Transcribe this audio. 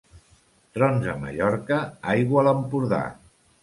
Trons a Mallorca, aigua a l'Empordà.